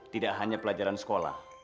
tidak hanya pelajaran sekolah